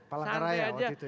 pala kera ya waktu itu ya